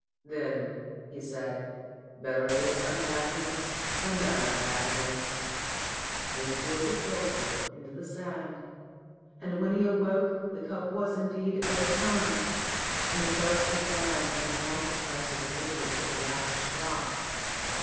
"Then," he said, "better this unhappiness than that happiness." And poured the philter into the sand. And when he awoke the cup was indeed overturned, and the thirsty sand had drunk the precious liquid to 300 STORIES WITHOUT TEARS the last drop.